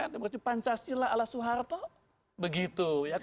demokrasi pancasila ala soeharto begitu